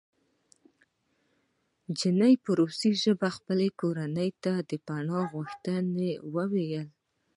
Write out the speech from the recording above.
نجلۍ په روسي ژبه خپلې کورنۍ ته د پناه اخیستلو وویل